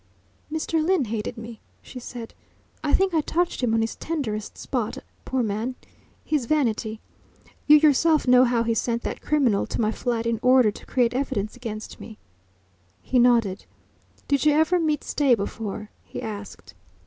"Mr. Lyne hated me," she said. "I think I touched him on his tenderest spot poor man his vanity. You yourself know how he sent that criminal to my flat in order to create evidence against me." He nodded. "Did you ever meet Stay before?" he asked.